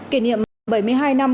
kỷ niệm bảy mươi hai năm